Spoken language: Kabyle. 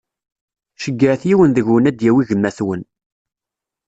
Ceggɛet yiwen deg-wen ad d-yawi gma-twen;